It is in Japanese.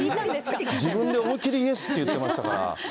自分で思いっきりイエスって言ってましたから。